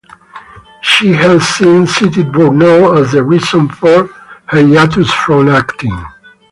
She has since cited burnout as the reason for her hiatus from acting.